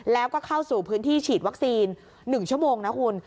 แล้วก็เข้าสู่พื้นที่ฉีดวัคซีน๑ชั่วโมงนะคุณ